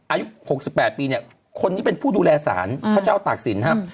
อายุ๖๘ปีคนนี้เป็นผู้ดูแลศาลพระเจ้าตากศิลป์